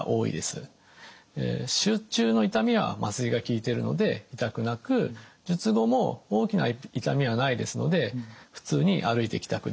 手術中の痛みは麻酔が効いてるので痛くなく術後も大きな痛みはないですので普通に歩いて帰宅できます。